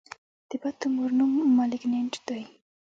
د بد تومور نوم مالېګننټ دی.